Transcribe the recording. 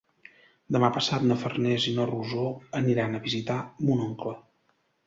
Demà passat na Farners i na Rosó aniran a visitar mon oncle.